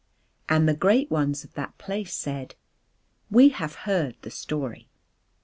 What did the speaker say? And the great ones of that place said: "We have heard the story."